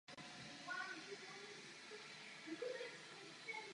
Raketový motor je výhodný pro dosažení nejvyšších rychlostí letu.